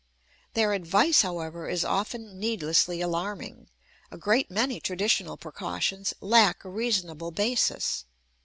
Their advice, however, is often needlessly alarming; a great many traditional precautions lack a reasonable basis.